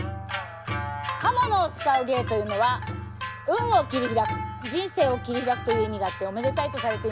刃物を使う芸というのは運を切り開く人生を切り開くという意味があっておめでたいとされています。